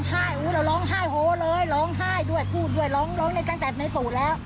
หวังไห้ด้วยพูดด้วยหวังเนี่ยตั้งแต่ในสู่แล้ว